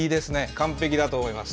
完璧だと思います。